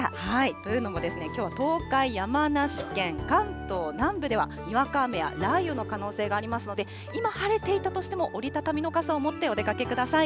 というのもですね、きょうは東海、山梨県、関東南部では、にわか雨や雷雨の可能性がありますので、今、晴れていたとしても、折り畳みの傘を持ってお出かけください。